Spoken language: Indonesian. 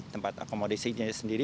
tempat akomodisinya sendiri